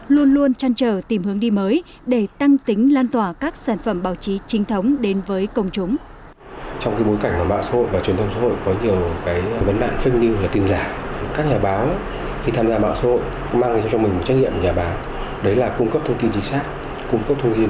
luôn luôn chăn trở tìm hướng đi mới để tăng tính lan tỏa các sản phẩm báo chí trinh thống đến với công chúng